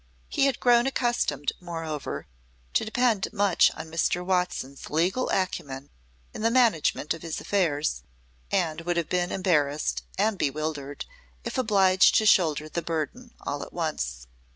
He had grown accustomed, moreover, to depend much on Mr. Watson's legal acumen in the management of his affairs, and would have been embarrassed and bewildered if obliged to shoulder the burden all at once.